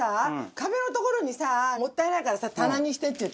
壁の所にさもったいないからさ「棚にして」って言って棚にしたの。